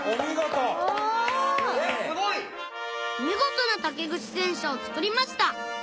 見事な竹串戦車を作りました